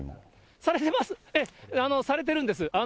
されてます、されてるんです。